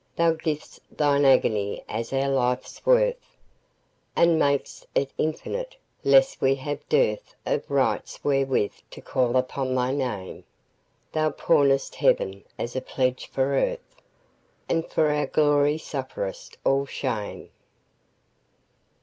Thou giv'st Thine agony as our life's worth, And mak'st it infinite, lest we have dearthOf rights wherewith to call upon thy Name; Thou pawnest Heaven as a pledge for Earth, And for our glory sufferest all shame.